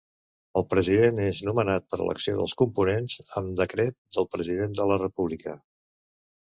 El President és nomenat per elecció dels components, amb Decret del President de la República.